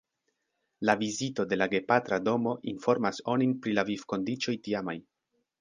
La vizito de la gepatra domo informas onin pri la vivkondiĉoj tiamaj.